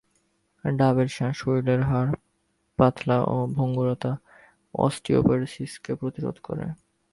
ডাবের শাঁস শরীরের হাড় পাতলা ও ভঙ্গুরতা, অস্টিওপোরোসিসকে প্রতিরোধ করে।